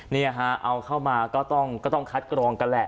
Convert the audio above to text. นี่ฮะเอาเข้ามาก็ต้องคัดกรองกันแหละ